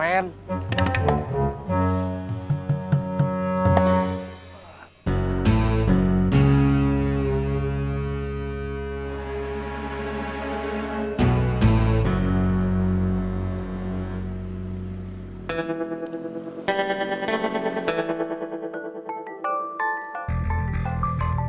tidak ada yang bisa diberikan kekuatan kekuatan